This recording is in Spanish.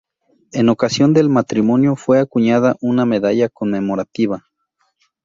En ocasión del matrimonio fue acuñada una medalla conmemorativa.